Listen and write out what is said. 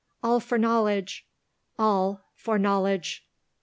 All for Knowledge! all for Knowledge!"